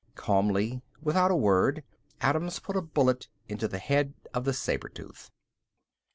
Calmly, without a word, Adams put a bullet into the head of the saber tooth.